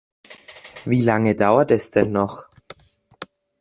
Wie lange dauert es denn noch?